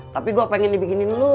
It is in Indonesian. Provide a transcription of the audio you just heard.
tapi gue pengen dibikinin lu